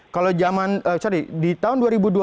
kalau zaman sorry di tahun dua ribu dua belas